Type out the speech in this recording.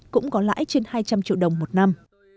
cũng có lãi trên hai trăm linh triệu đồng một năm